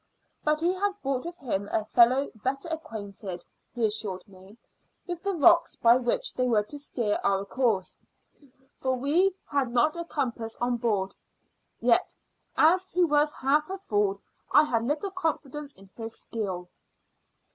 But he had brought with him a fellow better acquainted, he assured me, with the rocks by which they were to steer our course, for we had not a compass on board; yet, as he was half a fool, I had little confidence in his skill.